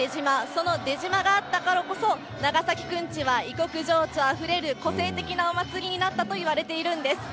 その出島があったからこそ、長崎くんちは異国情緒あふれる個性的なお祭りになったといわれているんです。